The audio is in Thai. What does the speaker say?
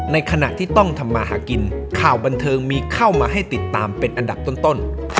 ในขณะที่ต้องทำมาหากินข่าวบันเทิงมีเข้ามาให้ติดตามเป็นอันดับต้น